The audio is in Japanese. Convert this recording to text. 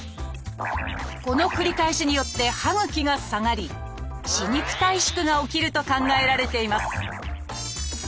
この繰り返しによって歯ぐきが下がり歯肉退縮が起きると考えられています